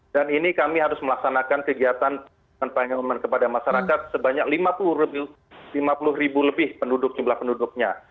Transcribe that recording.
dan ini kami harus melaksanakan kegiatan penyelidikan kepada masyarakat sebanyak lima puluh ribu lebih jumlah penduduknya